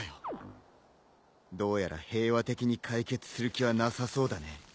どうやら平和的に解決する気はなさそうだね。